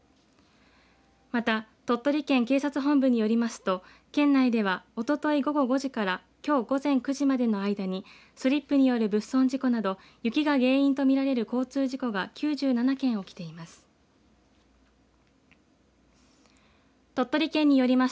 また鳥取県警察本部によりますと県内では、おととい午後５時からきょう午前９時までの間にスリップによる物損事故など雪が原因とみられる交通事故が９７件、起きています。